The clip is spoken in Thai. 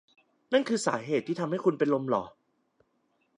นั่นคือสาเหตุที่ทำให้คุณเป็นลมเหรอ